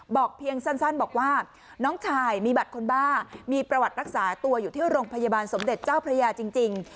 เพียงสั้นบอกว่าน้องชายมีบัตรคนบ้ามีประวัติรักษาตัวอยู่ที่โรงพยาบาลสมเด็จเจ้าพระยาจริง